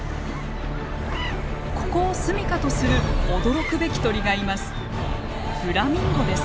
ここを住みかとする驚くべき鳥がいます。